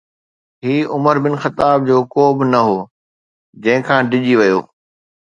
هي عمر بن خطاب جو ڪوب نه هو جنهن کان ڊڄي ويو.